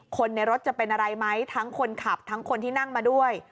คนในรถจะเป็นอะไรไหมทั้งคนขับทั้งคนที่นั่งมาด้วย